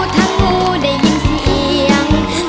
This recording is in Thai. ทั้งงูได้ยินเสียง